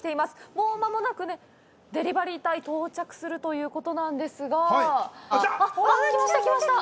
もう間もなくねデリバリー隊到着するということなんですがあっ来ました来ました